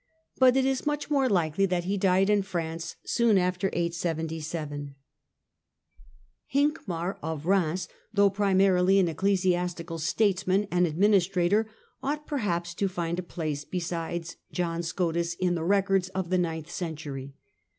But it is much more likely that he died in France soon after 877. Hincmar of Bheirns, though primarily an ecclesiastical Hincmar of statesman and administrator, ought perhaps to find a806 8S2 place beside John Scotus in the records of the ninth century.